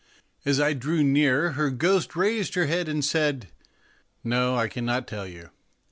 And as I drew near her my ghost raised her head, and said No, I cannot tell you.